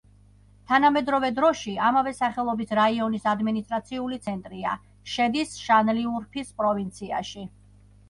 თანამედროვე დროში ამავე სახელობის რაიონის ადმინისტრაციული ცენტრია, შედის შანლიურფის პროვინციაში.